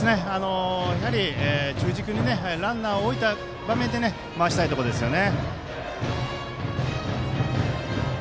やはり、中軸にランナーを置いた場面で回したいところですよね。